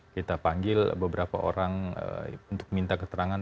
kita panggil beberapa orang untuk minta keterangan